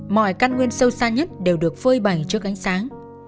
mọi căn nguyên sâu xa nhất đều được phơi bày trước ánh sáng